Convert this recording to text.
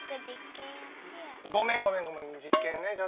ごめんごめんごめん実験ね。